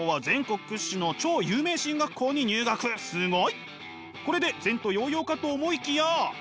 これで前途洋々かと思いきや。